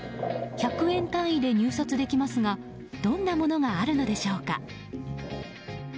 １００円単位で入札できますがどんなものがあるのでしょうか。